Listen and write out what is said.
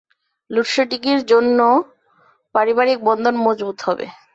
লোডশেডিংয়ের জন্য পারিবারিক বন্ধন মজবুত হবে।